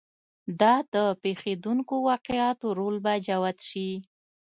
دا د پېښېدونکو واقعاتو رول به جوت شي.